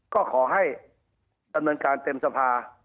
ก็ขอให้ดำเนินการเต็มสภา